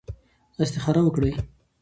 استخاره وکړئ.